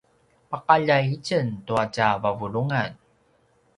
paqaljay itjen tua tja vavulungan